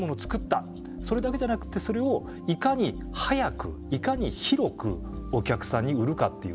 それだけじゃなくてそれをいかに早くいかに広くお客さんに売るかっていう。